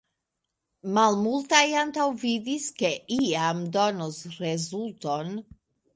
Malmultaj antaŭvidis, ke iam donos rezulton.